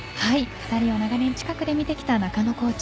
２人を長年近くで見てきた中野コーチ。